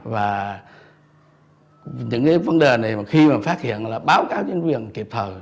và những cái vấn đề này mà khi mà phát hiện là báo cáo chính quyền kịp thời